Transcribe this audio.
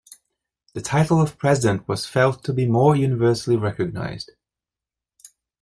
The title of president was felt to be more universally recognized.